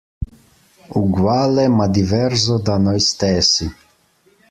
Uguale ma diverso da noi stessi.